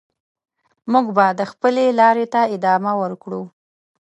موږ به د خپلې لارې ته ادامه ورکړو.